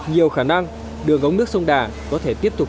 nhiều khả năng đường ống nước sông đà có thể tiếp tục